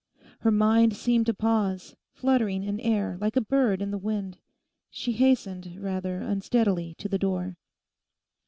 Her mind seemed to pause, fluttering in air, like a bird in the wind. She hastened rather unsteadily to the door.